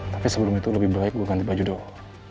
tapi sebelum itu lebih baik gue ganti baju dulu